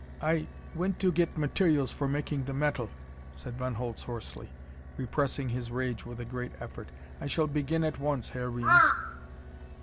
"I went to get materials for making the metal," said Von Holtz hoarsely, repressing his rage with a great effort. "I shall begin at once, Herr Reames."